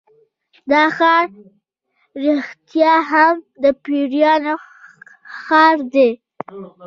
دا ښار رښتیا هم د پیریانو ښار دی.